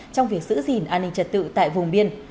trong việc giữ gìn an ninh trật tự tại vùng biên